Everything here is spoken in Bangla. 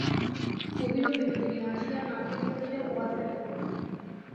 কহিল, বিনোদিনী আসিয়া না ফেলিয়া দিলে, ও আর ফেলাই হইবে না।